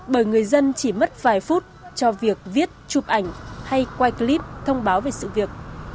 bởi người dân chỉ mất vài phút cho việc viết chụp ảnh hay quay clip thông báo về sự việc